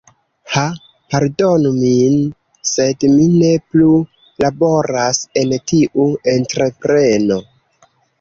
Ha pardonu min, sed mi ne plu laboras en tiu entrepreno.